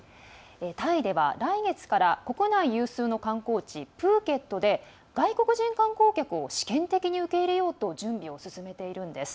タイでは来月から国内有数の観光地プーケットで、外国人観光客を試験的に受け入れようと準備を進めているんです。